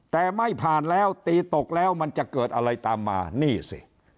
แต่ไม่ผ่านแล้วตีตกแล้วมันจะเกิดอะไรตามมานี่สิ